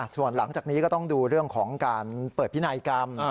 ส่วนหลังจากนี้ก็ต้องดูเรื่องของการเปิดพินัยกรรม